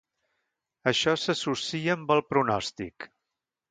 Això s'associa amb el pronòstic.